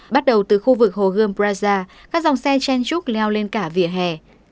bắt đầu từ khu vực hồ gươm praza các dòng xe chen trúc leo lên cả vỉa hè